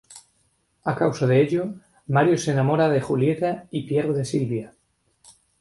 A causa de ello, Mario se enamora de Julieta y Pierre de Silvia.